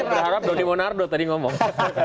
berharap doni monardo tadi ngomong